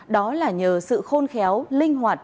đó là nhờ sự khôn khéo linh hoạt